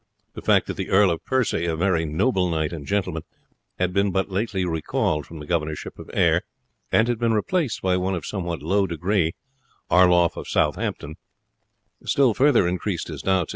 The fact that the Earl of Percy, a very noble knight and gentleman, had been but lately recalled from the governorship of Ayr and had been replaced by one of somewhat low degree, Arlouf of Southampton, still further increased his doubts.